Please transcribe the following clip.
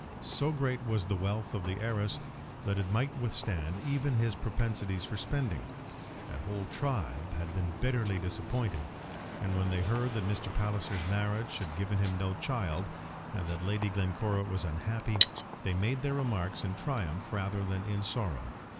So great was the wealth of the heiress that it might withstand even his propensities for spending. That whole tribe had been bitterly disappointed; and when they heard that Mr. Palliser's marriage had given him no child, and that Lady Glencora was unhappy, they made their remarks in triumph rather than in sorrow.